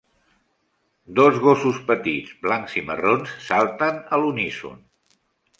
Dos gossos petits blancs i marrons salten a l'uníson.